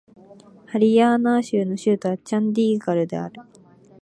ハリヤーナー州の州都はチャンディーガルである